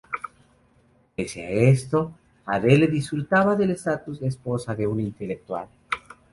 Pese a esto, Adele disfrutaba del estatus de esposa de un intelectual.